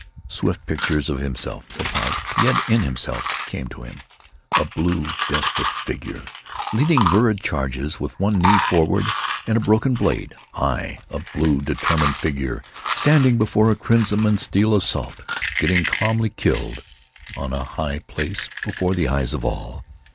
Swift pictures of himself, apart, yet in himself, came to him a blue desperate figure leading lurid charges with one knee forward and a broken blade high a blue, determined figure standing before a crimson and steel assault, getting calmly killed on a high place before the eyes of all.